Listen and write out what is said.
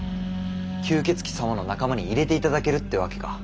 吸血鬼様の仲間に入れていただけるってわけか。